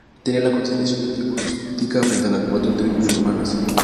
Tenía la consideración de tribu rústica, frente a las cuatro tribus urbanas.